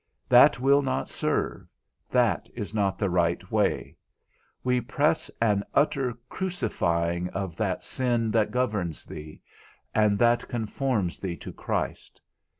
That will not serve, that is not the right way; we press an utter crucifying of that sin that governs thee: and that conforms thee to Christ.